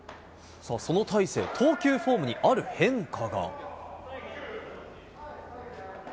さあ、その大勢、投球フォームにある変化が。